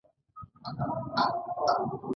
د شپې ځاى وركوي.